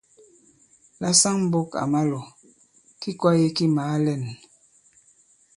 La saŋ-mbɔ̄k à ma-lɔ̀, ki kwāye ki màa lɛ᷇n.